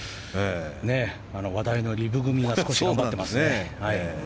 話題のリブ組が少し頑張ってますね。